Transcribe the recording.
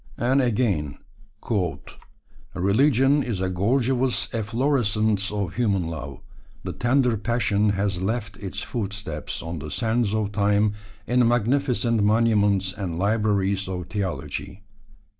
And again: Religion is a gorgeous efflorescence of human love. The tender passion has left its footsteps on the sands of time in magnificent monuments and libraries of theology.